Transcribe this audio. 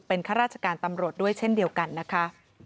ข้าราชการตำรวจด้วยเช่นเดียวกันนะคะ